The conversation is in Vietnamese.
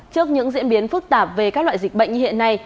trước những diễn biến phức tạp về các loại dịch bệnh như hiện nay